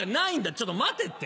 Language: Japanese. ちょっと待てって。